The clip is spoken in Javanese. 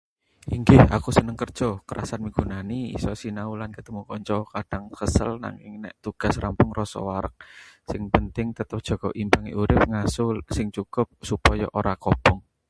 Inggih, aku seneng kerja. Krasa migunani, iso sinau lan ketemu kanca. Kadhang kesel, nanging nek tugas rampung rasa wareg. Sing penting tetep jaga imbangan urip, ngaso sing cukup supaya ora kobong.